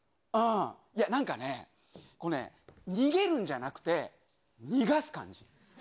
なんかね、こうね、逃げるんじゃなくて、逃がす感じ。